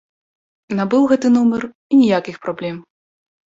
Набыў гэты нумар і ніякіх праблем.